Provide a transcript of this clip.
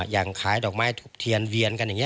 อย่างขายดอกไม้ทุบเทียนเวียนกันอย่างนี้